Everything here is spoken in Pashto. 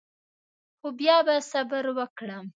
خو بیا به صبر وکړم.